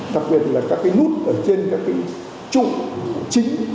đặc biệt là các cái nút ở trên các cái trụ chính